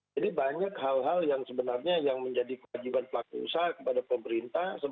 jadi banyak hal hal yang sebenarnya yang menjadi kewajiban pelaku usaha kepada pemerintah